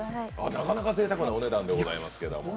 なかなかぜいたくなお値段でございますけれども。